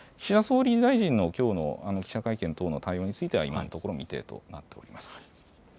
岸田総理大臣のきょうの記者会見等の対応については、今のところ未定となっております。